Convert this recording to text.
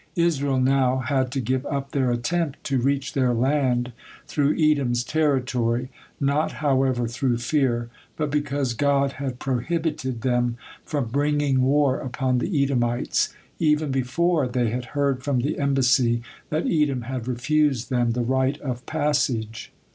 '" Israel now had to give up their attempt to reach their land through Edom's territory, not, however, through fear, but because God had prohibited them from bringing war upon the Edomites, even before they had heard from the embassy that Edom had refused them the right of passage.